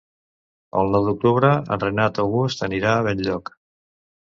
El nou d'octubre en Renat August anirà a Benlloc.